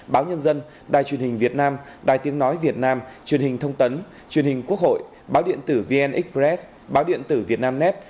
báo nhân dân đài truyền hình việt nam đài tiếng nói việt nam truyền hình thông tấn truyền hình quốc hội báo điện tử vn express báo điện tử việt nam nét